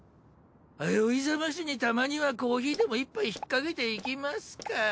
酔い覚ましにたまにはコーヒーでも一杯ひっかけていきますか。